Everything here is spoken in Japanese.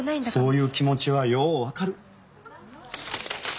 そういう気持ちはよう分かる。